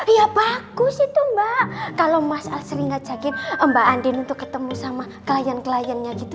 ya bagus itu mbak kalau mas asring ngajakin mbak andin untuk ketemu sama klien kliennya gitu